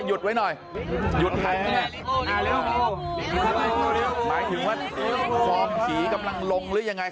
หยุดไว้หน่อยหยุดใครเนี้ยหมายถึงว่าสองขี่กำลังลงหรือยังไง